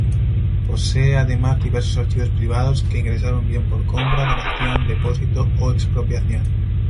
Posee además diversos archivos privados, que ingresaron bien por compra, donación, depósito o expropiación.